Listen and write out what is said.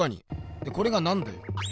でこれが何だよ？